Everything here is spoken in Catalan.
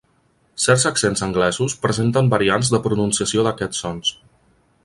Certs accents anglesos presenten variants de pronunciació d'aquests sons.